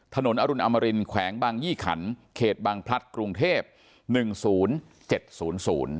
อรุณอมรินแขวงบางยี่ขันเขตบางพลัดกรุงเทพหนึ่งศูนย์เจ็ดศูนย์ศูนย์